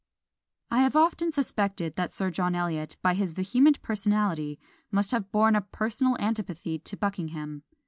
I have often suspected that Sir John Eliot, by his vehement personality, must have borne a personal antipathy to Buckingham.